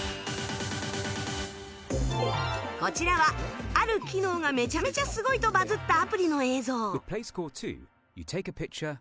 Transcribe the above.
こちらはある機能がめちゃめちゃすごいとバズったアプリの映像